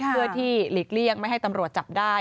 เพื่อที่หลีกเลี่ยงไม่ให้ตำรวจจับได้